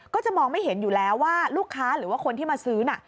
ก็จะมองไม่เห็นอยู่แล้วว่าลูกค้าหรือว่าคนที่มาซื้อน่ะ